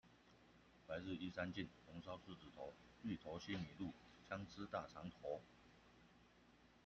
白日依山盡，紅燒獅子頭，芋頭西米露，薑絲大腸頭